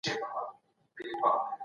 که نفوس زيات سي، سړي سر عايد کمېږي.